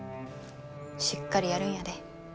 しっかりやるんやで。